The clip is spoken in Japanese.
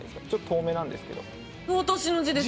ちょっと遠めですけど。